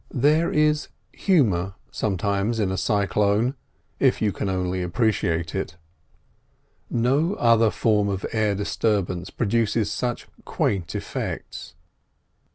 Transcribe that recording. There is humour sometimes in a cyclone, if you can only appreciate it; no other form of air disturbance produces such quaint effects.